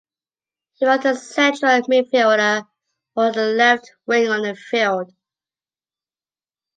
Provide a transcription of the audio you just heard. He was the central midfielder or the left wing on the field.